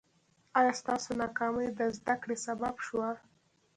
ایا ستاسو ناکامي د زده کړې سبب شوه؟